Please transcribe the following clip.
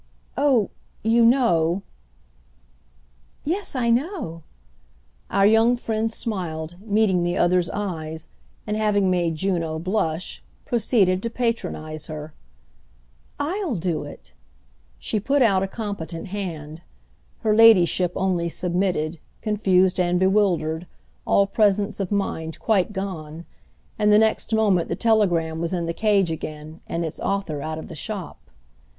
"Oh, you know—?" "Yes, I know!" Our young friend smiled, meeting the other's eyes, and, having made Juno blush, proceeded to patronise her. "I'll do it"—she put out a competent hand. Her ladyship only submitted, confused and bewildered, all presence of mind quite gone; and the next moment the telegram was in the cage again and its author out of the shop.